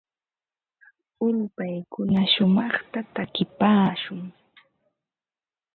Ulpaykuna shumaqta takipaakun.